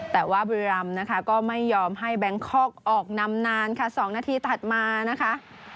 แต่ว่าบุรีรำนะคะก็ไม่ยอมให้แบงคอกออกนำนานค่ะ๒นาทีถัดมานะคะ